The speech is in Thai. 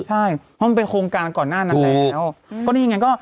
เพราะมันเป็นโครงการก่อนหน้านั้นแล้ว